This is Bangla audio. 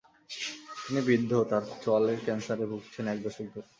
তিনি বৃদ্ধ, তায় চোয়ালের ক্যানসারে ভুগছেন এক দশক ধরে।